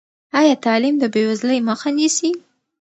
ایا تعلیم د بېوزلۍ مخه نیسي؟